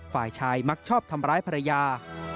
ฝ่ายชายมักชอบทำร้ายภรรยา